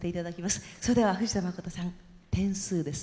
それでは藤田まことさん「点数」です。